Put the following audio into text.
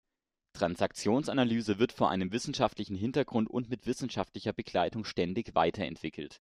Transaktionsanalyse wird vor einem wissenschaftlichen Hintergrund und mit wissenschaftlicher Begleitung ständig weiterentwickelt.